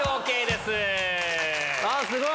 すごい！